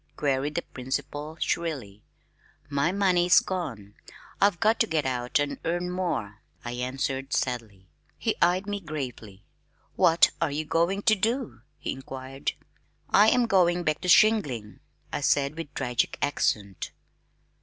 queried the principal shrilly. "My money's gone. I've got to get out and earn more," I answered sadly. He eyed me gravely. "What are you going to do?" he inquired. "I am going back to shingling," I said with tragic accent.